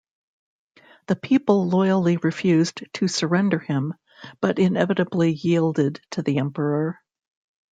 The people loyally refused to surrender him, but inevitably yielded to the emperor.